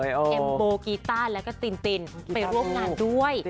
เอ็มโบกีต้าแล้วก็ตินตินไปร่วมงานด้วย